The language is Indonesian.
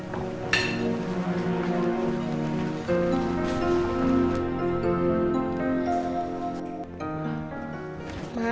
surtur dalam xavier park